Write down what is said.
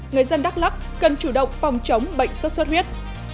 người dân đắk lắc cần chủ động phòng chống bệnh xuất xuất huyết